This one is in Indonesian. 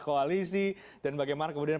koalisi dan bagaimana kemudian